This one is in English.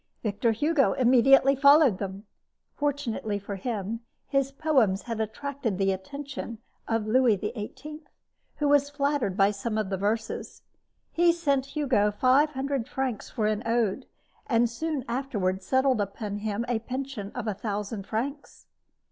Victor Hugo immediately followed them. Fortunately for him, his poems had attracted the attention of Louis XVIII, who was flattered by some of the verses. He sent Hugo five hundred francs for an ode, and soon afterward settled upon him a pension of a thousand francs.